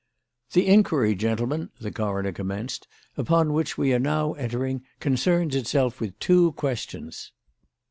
"The inquiry, gentlemen," the coroner commenced, "upon which we are now entering concerns itself with two questions.